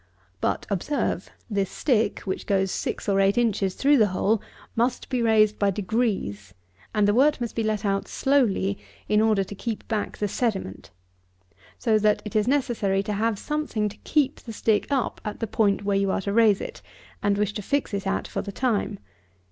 But, observe, this stick (which goes six or eight inches through the hole) must be raised by degrees, and the wort must be let out slowly, in order to keep back the sediment. So that it is necessary to have something to keep the stick up at the point where you are to raise it, and wish to fix it at for the time.